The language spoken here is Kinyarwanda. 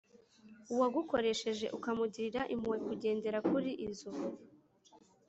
uwagukoshereje ukamugirira impuhwe kugendera kuri izo